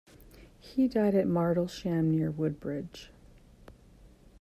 He died at Martlesham, near Woodbridge.